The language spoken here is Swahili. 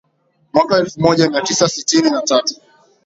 mwaka elfu moja mia tisa sitini na tatu